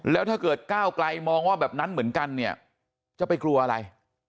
แล้วถ้าเกิดก้าวไกลมองว่าแบบนั้นเหมือนกันเนี่ยจะไปกลัวอะไร